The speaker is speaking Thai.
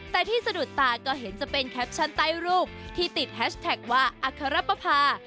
แต่ที่สะดุดตาก็เห็นจะเป็นแคปชั่นใต้รูปที่ติดแฮชแท็กว่าอัครปภา